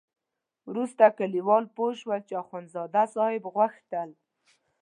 وروسته کلیوال پوه شول چې اخندزاده صاحب غوښتل.